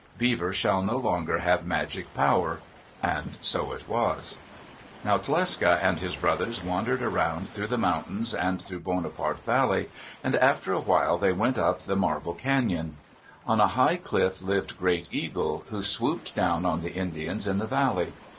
Beavers shall no longer have magic power;" and it was so. Now Tlecsa and his brothers wandered around through the mountains and through Bonaparte Valley, and after a while they went up the Marble Cañon. On a high cliff lived Great Eagle, who swooped down on the Indians in the valley.